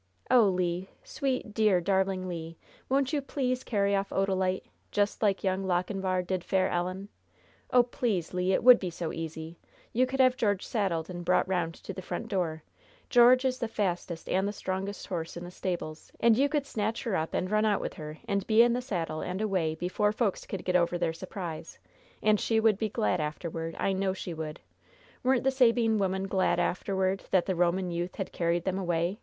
"Oh, Le! Sweet, dear, darling Le! won't you please carry off Odalite, just like Young Lochinvar did fair Ellen? Oh, please, Le! It would be so easy! You could have George saddled and brought round to the front door. George is the fastest and the strongest horse in the stables, and you could snatch her up and run out with her and be in the saddle and away before folks could get over their surprise. And she would be glad afterward! I know she would! Weren't the Sabine women glad afterward that the Roman youth had carried them away?"